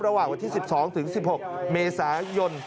ระหว่างวันที่๑๒ถึง๑๖เมษายน